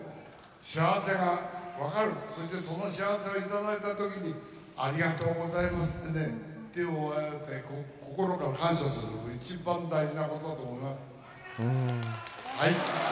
幸せが分かる、そしてその幸せを頂いたときに、ありがとうございますってね、手を合わせて心から感謝することが一番大事なことだと思います。